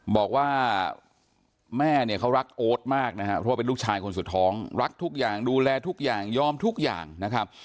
บอกว่าแม่เนี่ยเขารักโอ๊ตมากนะครับเพราะว่าเป็นลูกชายคนสุดท้องรักทุกอย่างดูแลทุกอย่างยอมทุกอย่างนะครับ